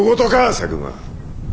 佐久間。